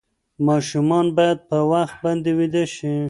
ماشومان باید په وخت باندې ویده شي.